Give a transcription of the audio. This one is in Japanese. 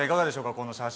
この写真。